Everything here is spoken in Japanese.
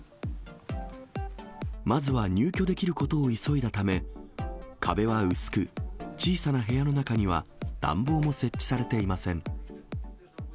まずは入居できることを急いだため、壁は薄く、小さな部屋の中には、暖房も設置されていません。